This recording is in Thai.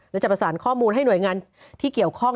และจะประสานข้อมูลให้หน่วยงานที่เกี่ยวข้อง